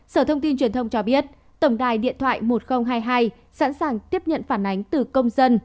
sở thông tin truyền thông cho biết tổng đài điện thoại một nghìn hai mươi hai sẵn sàng tiếp nhận phản ánh từ công dân